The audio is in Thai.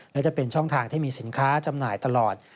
และจะเป็นช่องทางที่มีสินค้าจำหน่ายตลอด